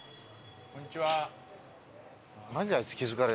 こんにちは。